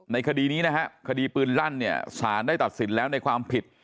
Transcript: คดีนี้นะฮะคดีปืนลั่นเนี่ยสารได้ตัดสินแล้วในความผิด